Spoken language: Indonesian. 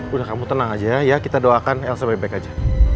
udah kamu tenang aja ya kita doakan yang sebaik baik aja